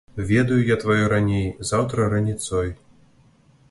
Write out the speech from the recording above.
Ведаю я тваё раней, заўтра раніцой.